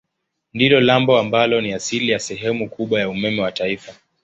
Ndilo lambo ambalo ni asili ya sehemu kubwa ya umeme wa taifa.